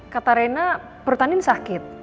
kata rena perut andin sakit